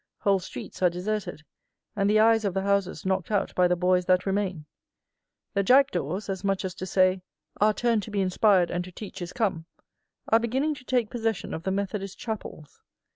Whole streets are deserted, and the eyes of the houses knocked out by the boys that remain. The jackdaws, as much as to say, "Our turn to be inspired and to teach is come," are beginning to take possession of the Methodist chapels.